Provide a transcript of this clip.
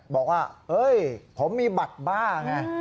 บอกว่าเฮ้ยผมมีบัตรบ้าไง